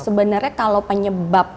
sebenarnya kalau penyebab